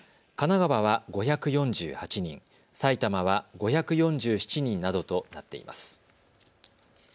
神奈川は５４８人、埼玉は５４７人などとなっています。